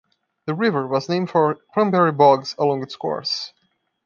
The river was named for cranberry bogs along its course.